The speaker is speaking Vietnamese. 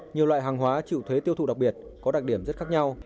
nhiều loại hàng hóa chịu thuế tiêu thụ đặc biệt có đặc điểm rất khác nhau